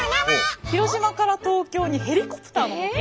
広島から東京にヘリコプターの模型。